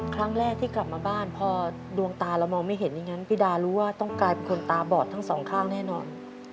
ครั้งแรกที่กลับมาบ้านพอดวงตาเรามองไม่เห็นอย่างนั้นพี่ดารู้ว่าต้องกลายเป็นคนตาบอดทั้งสองข้างแน่นอน